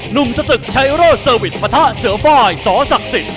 หนุ่มสตึกชัยโร่เสอวิทย์พระธะเสือฟ้ายสศศิษย์